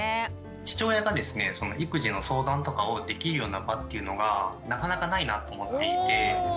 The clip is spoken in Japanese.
父親がですね育児の相談とかをできるような場っていうのがなかなかないなと思っていて。